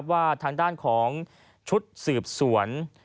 ว่าทางด้านของชุดสืบสวน